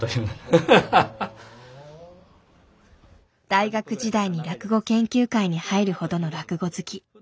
大学時代に落語研究会に入るほどの落語好き。